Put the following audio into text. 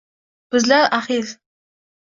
Bizlar axir